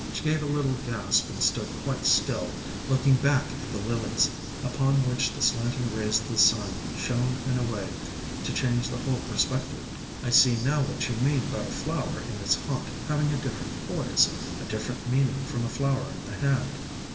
She gave a little gasp and stood quite still, looking back at the Lilies, upon which the slanting rays of the sun shone in a way to change the whole perspective. "I see now what you mean about a flower in its haunt having a different poise, a different meaning from a flower in the hand.